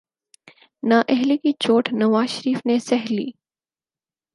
نااہلی کی چوٹ نواز شریف نے سہہ لی۔